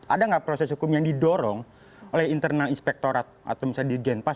ada gak proses hukum yang didorong oleh internal inspectorat atau misalnya di genpas